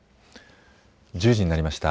１０時になりました。